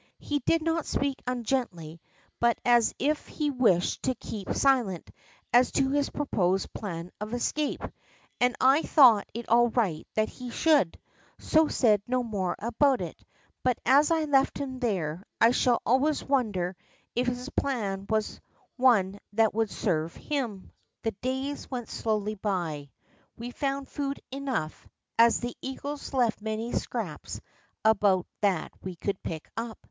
He did not speak ungently, but as if he wished THE REST OF BOOM A ROOM S STORY 63 to keep silent as to his proposed plan of escape, and I thought it all right that he should, so said no more about it. But as I left him there, I shall always wonder if his plan was one that would serve him. The days went slowly by. We found food enough, as the eagles left many scraps about that we could pick up.